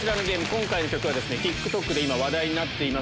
今回の曲はＴｉｋＴｏｋで今話題になってます